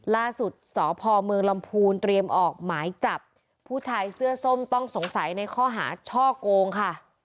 ล่าสุดสพเมืองลำพูนเตรียมออกหมายจับผู้ชายเสื้อส้มต้องสงสัยในข้อหาช่อโกงค่ะ